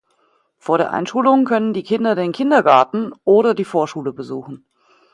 Vor der Einschulung können die Kinder den Kindergarten oder die Vorschule besuchen.